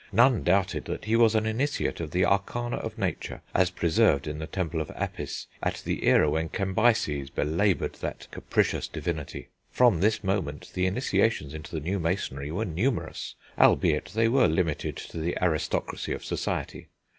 None doubted that he was an initiate of the arcana of nature, as preserved in the temple of Apis at the era when Cambyses belaboured that capricious divinity. From this moment the initiations into the new masonry were numerous, albeit they were limited to the aristocracy of society.